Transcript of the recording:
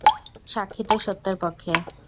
সাক্ষী তো সত্যের পক্ষে!